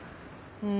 うん。